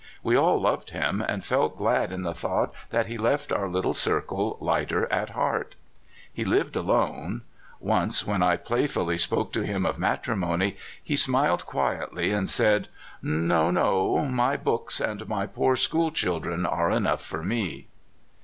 We all loved him, and felt glad in the thought that he left our little circle lighter at heart. He lived alone. Once, when I playfully spoke to him of matri mony, he laughed quietly, and said :" No, no my books and my poor school chil dren are enough for me."